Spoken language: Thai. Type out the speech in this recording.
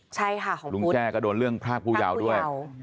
ใช่ค่ะของลุงแจ้ก็โดนเรื่องพรากผู้ยาวด้วย